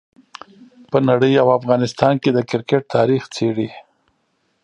په نړۍ او افغانستان کې د کرکټ تاریخ څېړي.